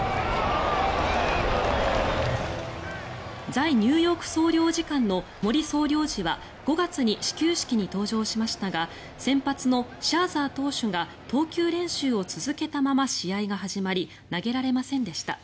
在ニューヨーク総領事館の森総領事は５月に始球式に登場しましたが先発のシャーザー投手が投球練習を続けたまま試合が始まり投げられませんでした。